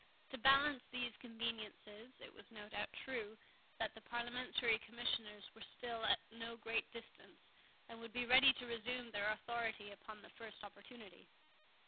To balance these conveniences, it was no doubt true, that the Parliamentary Commissioners were still at no great distance, and would be ready to resume their authority upon the first opportunity.